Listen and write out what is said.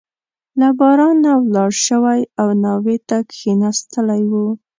له بارانه ولاړ شوی او ناوې ته کښېنستلی وو.